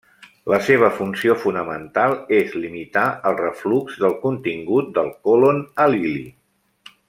La seva funció fonamental és limitar el reflux del contingut del còlon a l'ili.